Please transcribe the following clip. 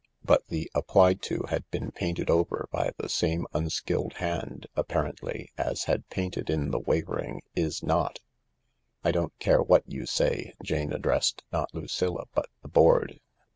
But the " Apply to " had been painted over by the same unskilled hand, apparently, as had painted in the wavering IS NOT. 6 "I don't care what you say." Jane addressed not Lucilla but the board.